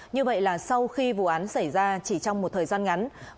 như vậy là sau khi vụ án xảy ra chỉ trong một thời gian ngắn